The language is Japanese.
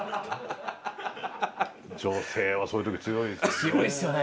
女性はそういう時強いですね。